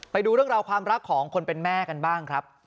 ไปดูเรื่องราวความรักของคนเป็นแม่กันบ้างครับ